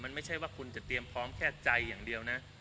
มันไม่ใช่ว่าคุณจะเตรียมพร้อมแค่ใจอย่างเดียวนะ